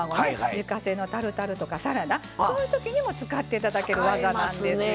自家製のタルタルとかサラダそういう時にも使って頂ける技なんですよ。